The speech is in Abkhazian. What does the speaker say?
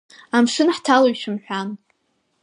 Амшын ҳҭалоит шәымҳәан.